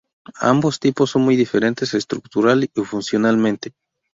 Ambos tipos son muy diferentes estructural y funcionalmente.